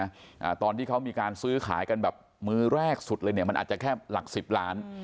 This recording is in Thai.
อ่าตอนที่เขามีการซื้อขายกันแบบมือแรกสุดเลยเนี้ยมันอาจจะแค่หลักสิบล้าน